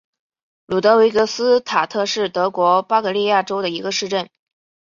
卢德维格斯塔特是德国巴伐利亚州的一个市镇。